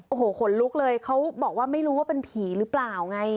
โอ้โหขนลุกเลยเขาบอกว่าไม่รู้ว่าเป็นผีหรือเปล่าไง